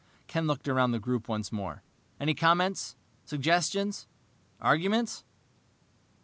Ken looked around the group once more. "Any comments, suggestions, arguments?